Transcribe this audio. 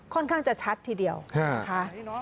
ค่อนข้างจะชัดทีเดียวนะคะ